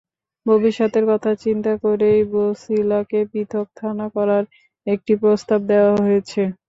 ভবিষ্যতের কথা চিন্তা করেই বছিলাকে পৃথক থানা করার একটি প্রস্তাব দেওয়া হয়েছে।